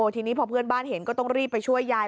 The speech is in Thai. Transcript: ทีนี้พอเพื่อนบ้านเห็นก็ต้องรีบไปช่วยยาย